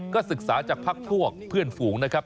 ก็ศึกษาจากพักพวกเพื่อนฝูงนะครับ